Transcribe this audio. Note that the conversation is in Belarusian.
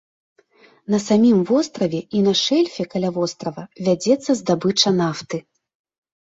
На самім востраве і на шэльфе каля вострава вядзецца здабыча нафты.